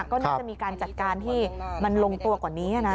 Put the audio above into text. ก็น่าจะมีการจัดการที่มันลงตัวกว่านี้นะ